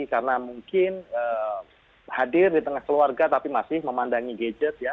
karena mungkin hadir di tengah keluarga tapi masih memandangi gadget ya